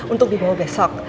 untuk dibawa besok